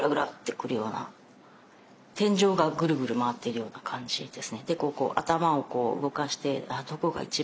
天井がグルグル回ってるような感じですね。